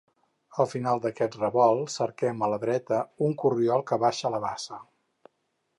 Al final d'aquest revolt cerquem a la dreta un corriol que baixa a la bassa.